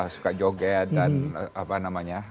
suka joget dan apa namanya